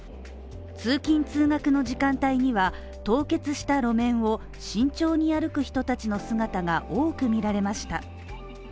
通勤通学の時間帯には、凍結した路面を慎重に歩く人たちの姿が多く見られました。